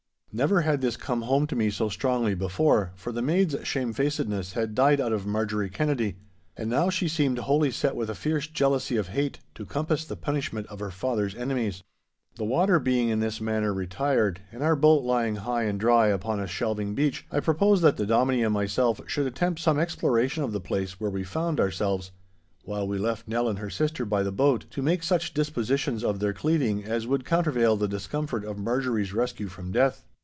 Never had this come home to me so strongly before, for the maid's shamefacedness had died out of Marjorie Kennedy; and now she seemed wholly set with a fierce jealousy of hate to compass the punishment of her father's enemies. The water being in this manner retired, and our boat lying high and dry upon a shelving beach, I proposed that the Dominie and myself should attempt some exploration of the place where we found ourselves—while we left Nell and her sister by the boat to make such dispositions of their cleading as would countervale the discomfort of Marjorie's rescue from death.